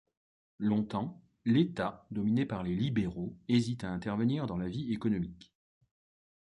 Longtemps, l’État, dominé par les libéraux, hésite à intervenir dans la vie économique.